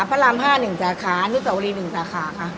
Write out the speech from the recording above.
พระรามห้าหนึ่งสาขานุสาวรีหนึ่งสาขาค่ะ